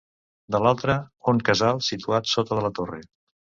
De l'altra, un casal situat sota de la torre.